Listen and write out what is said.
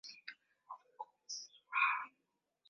muliza julian kaluku kahoja gavana wa kivu kaskazini